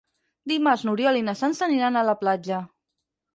Dimarts n'Oriol i na Sança aniran a la platja.